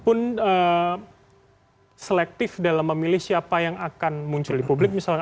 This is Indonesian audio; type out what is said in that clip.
ataupun selektif dalam memilih siapa yang akan muncul di publik misalnya